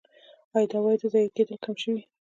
آیا د عوایدو ضایع کیدل کم شوي؟